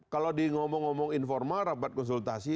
kalau di ngomong ngomong informal rapat konsultasi